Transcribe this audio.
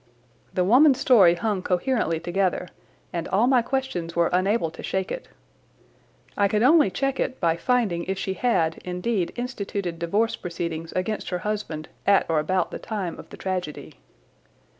The woman's story hung coherently together, and all my questions were unable to shake it. I could only check it by finding if she had, indeed, instituted divorce proceedings against her husband at or about the time of the tragedy.